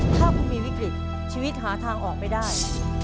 ถ้าคุณมีวิกฤตชีวิตหาทางออกไม่ได้